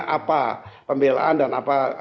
apa pembelaan dan apa